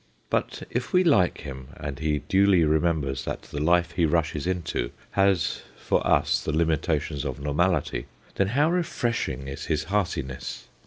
But if we like him, and he duly remembers that the life he rushes into has for us the limitations of normality, then how refreshing is his hearti ness